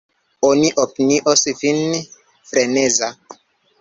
Oni opinios vin freneza.